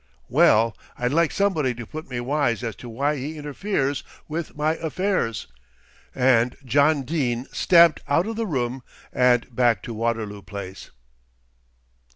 "Well, I'd like somebody to put me wise as to why he interferes with my affairs," and John Dene stamped out of the room and back to Waterloo Place.